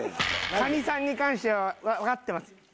カニさんに関してはわかってます。